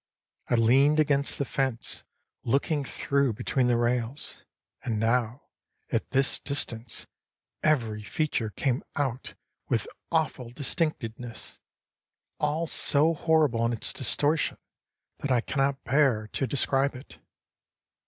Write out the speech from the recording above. I leaned against the fence, looking through between the rails; and now, at this distance, every feature came out with awful distinctness all so horrible in its distortion that I cannot bear to describe it.